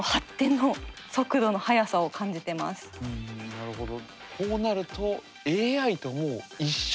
なるほど。